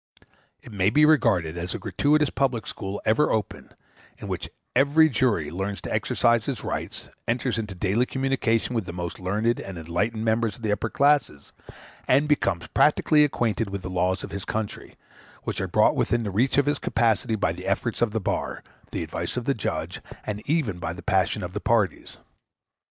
It may be regarded as a gratuitous public school ever open, in which every juror learns to exercise his rights, enters into daily communication with the most learned and enlightened members of the upper classes, and becomes practically acquainted with the laws of his country, which are brought within the reach of his capacity by the efforts of the bar, the advice of the judge, and even by the passions of the parties.